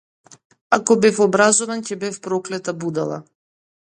Ако бев образован, ќе бев проклета будала.